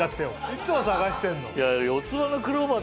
いつも探してんの。